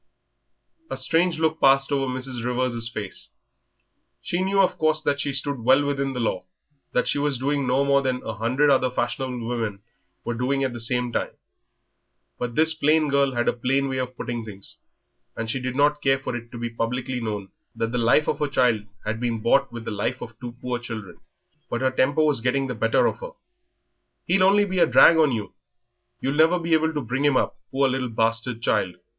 A strange look passed over Mrs. Rivers' face. She knew, of course, that she stood well within the law, that she was doing no more than a hundred other fashionable women were doing at the same moment; but this plain girl had a plain way of putting things, and she did not care for it to be publicly known that the life of her child had been bought with the lives of two poor children. But her temper was getting the better of her. "He'll only be a drag on you. You'll never be able to bring him up, poor little bastard child."